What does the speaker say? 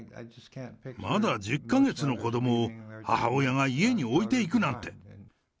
まだ１０か月の子どもを母親が家に置いていくなんて。